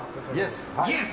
イエス！